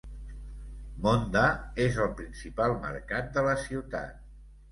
Mondha és el principal mercat de la ciutat.